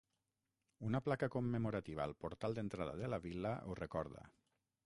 Una placa commemorativa al portal d'entrada a la Vil·la ho recorda.